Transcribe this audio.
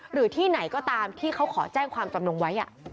หรือที่ไหนก็ตามที่เขาขอแจ้งความจำนงไว้